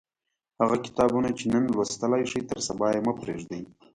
هغه کتابونه چې نن لوستلای شئ تر سبا یې مه پریږدئ.